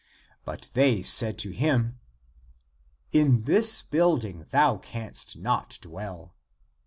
But they said to him, " In this building thou canst not dwell."